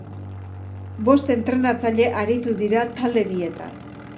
Bost entrenatzaile aritu dira talde bietan.